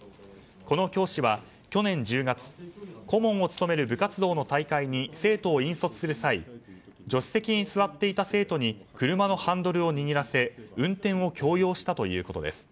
この教師は去年１０月顧問を務める部活動の大会に生徒を引率する際助手席に座っていた生徒に車のハンドルを握らせ運転を強要したということです。